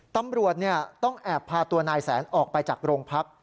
ตำรวจต้องแอบพาตัวนายแสนออกไปจากโรงพัก